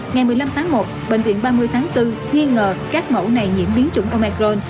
ngày một mươi năm tháng một bệnh viện ba mươi tháng bốn nghi ngờ các mẫu này nhiễm biến chủng omar